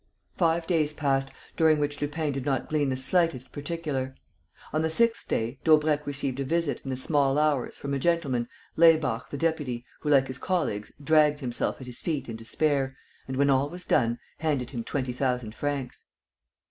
Five days passed, during which Lupin did not glean the slightest particular. On the sixth day Daubrecq received a visit, in the small hours, from a gentleman, Laybach the deputy, who, like his colleagues, dragged himself at his feet in despair and, when all was done, handed him twenty thousand francs.